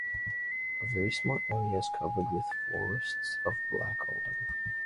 A very small area is covered with forests of black alder.